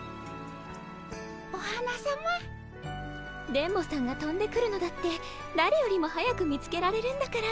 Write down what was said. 電ボさんがとんでくるのだってだれよりも早く見つけられるんだから。